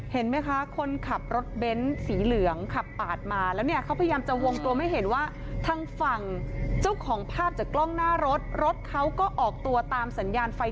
เห็นไหมคะคนขับรถเบ้นสีเหลืองขับปาดมาแล้วเนี่ยเขาพยายามจะวงกลมให้เห็นว่าทางฝั่งเจ้าของภาพจากกล้องหน้ารถรถเขาก็ออกตัวตามสัญญาณไฟ